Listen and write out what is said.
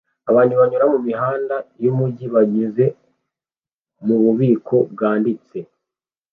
Abantu banyura mumihanda yumujyi banyuze mububiko bwanditse